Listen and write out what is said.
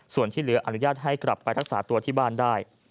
ส่วนที่เหลืออนุญาตให้กลับไปรักษาตัวที่บ้านได้